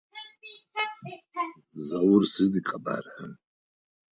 Заур сыд ыкъэбархэр?